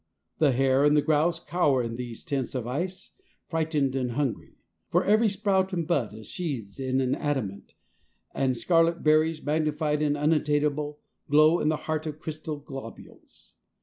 The hare and the grouse cower in these tents of ice, frightened and hungry; for every sprout and bud is sheathed in adamant, and scarlet berries, magnified and unattainable, glow in the heart of crystal globules.